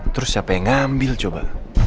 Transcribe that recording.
terus siapa yang ngambil coba